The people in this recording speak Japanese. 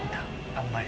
あんまり。